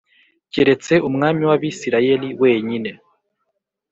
keretse umwami w’Abisirayeli wenyine